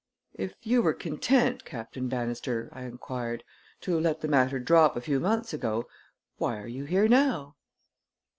"If you were content, Captain Bannister," I inquired, "to let the matter drop a few months ago, why are you here now?"